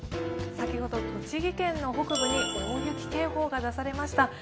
先ほど栃木県の北部に大雪警報が出されました。